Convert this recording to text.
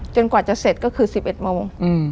กว่าจะเสร็จก็คือ๑๑โมง